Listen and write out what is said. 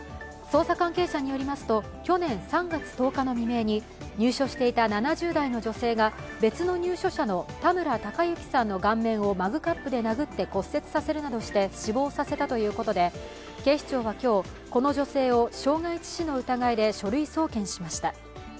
捜査関係者によりますと去年３月１０日の未明に、入所していた７０代の女性が別の入所者の田村孝之さんの顔面をマグカップで殴って骨折させるなどして死亡させたということで、警視庁は今日、この女性を傷害致死の疑いで書類送検しました。